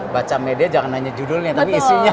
baca media jangan hanya judulnya tapi isinya